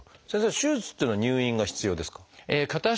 先生手術っていうのは入院が必要ですか？